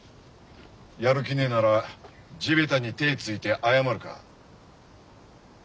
やる気ねえなら地べたに手ついて謝るか？